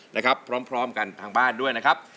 นะครับพร้อมกันทางบ้านด้วยนะครับ